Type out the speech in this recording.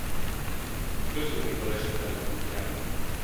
Közúti balesetben hunyt el.